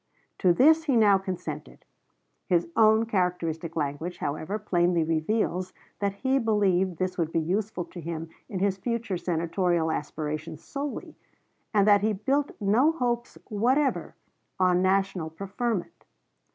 To this he now consented. His own characteristic language, however, plainly reveals that he believed this would be useful to him in his future Senatorial aspirations solely, and that he built no hopes whatever on national preferment.